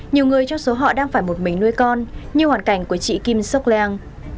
nhiều người trong số họ đang phải một mình nuôi con như hoàn cảnh của chị kim seok lang